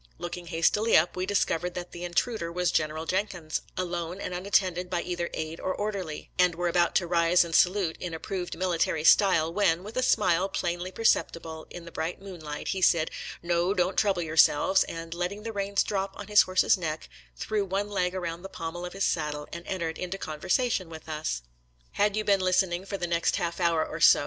Looking hastily up, we REMINISCENCES OF CHICK AMAUGA 143 discovered that the intruder was General Jen kins, alone and unattended by either aide or orderly, and were about to rise and salute in approved military style, when, with a smile plainly perceptible in the bright moonlight, he said, " No, don't trouble yourselves," and, let ting the reins drop on his horse's neck, threw one leg around the pommel of his saddle and entered into conversation with us. Had you been listening for the next half hour or so.